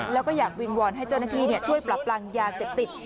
แล้วก็อยากวิงวอนให้เจ้าหน้าที่ช่วยปรับรังยาเสพติด